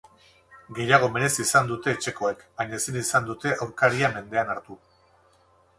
Gehiago merezi izan dute etxekoek, baina ezin izan dute aurkaria mendean hartu.